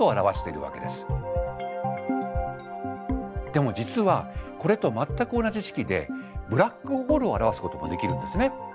でも実はこれと全く同じ式でブラックホールを表すこともできるんですね。